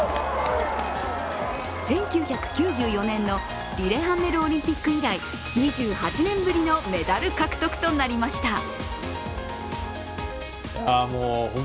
１９９４年のリレハンメルオリンピック以来２８年ぶりのメダル獲得となりました。